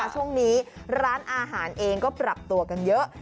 ช่วงนี้ร้านอาหารเองก็ปรับตัวกันเยอะ